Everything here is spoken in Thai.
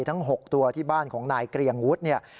ทั้ง๖ตัวที่บ้านของนายเกรียงวุฒิเนี่ย